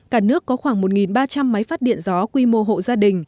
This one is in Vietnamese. cả nước có khoảng một ba trăm linh máy phát điện gió quy mô hộ gia đình